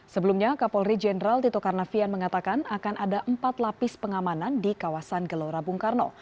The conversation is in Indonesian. sebelumnya kapolri jenderal tito karnavian mengatakan akan ada empat lapis pengamanan di kawasan gelora bung karno